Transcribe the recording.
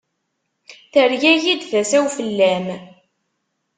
Tergagi-d tasa-w fell-am.